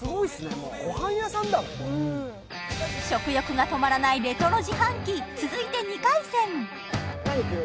ここ食欲が止まらないレトロ自販機続いて２回戦何いく？